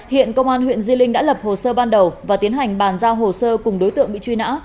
hiện công an huyện di linh đã lập hồ sơ ban đầu và tiến hành bàn giao hồ sơ cùng đối tượng bị truy nã